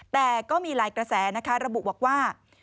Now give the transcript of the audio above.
แต่ก็มีรายกระแสระบุวกว่า